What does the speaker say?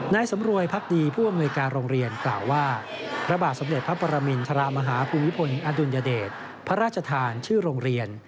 นายสำรวยพักดีผู้อำนวยการโรงเรียนกล่าวว่าพระบาทสมเด็จพระปรมินทรมาฮาภูมิพลอดุลยเดชพระราชทานชื่อโรงเรียน